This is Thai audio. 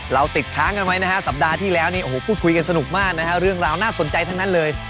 เราติดทางกันไหมนะฮะสัปดาห์ที่แล้วพูดคุยกันสนุกมากนะคะเรื่องราวน่าสนใจทั้งนั้นเลย